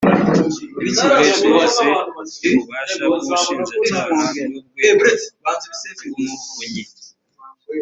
imikoreshereze y ububasha bw ubushinjacyaha bw urwego rw umuvunyi